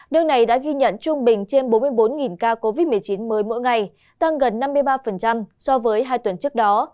nước này đã ghi nhận trung bình trên bốn mươi bốn ca covid một mươi chín mới mỗi ngày tăng gần năm mươi ba so với hai tuần trước đó